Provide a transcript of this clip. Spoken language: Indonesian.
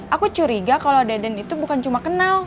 aku curiga kalo deden itu bukan cuma kenal